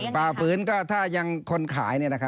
ฝ่าฟื้นถ้ายังคนขาย